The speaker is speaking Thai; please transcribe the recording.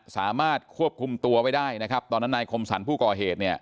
สามารถควบคุมตัวไว้ได้นะครับตอนนั้นนายคมสรรผู้ก่อเหตุเนี่ย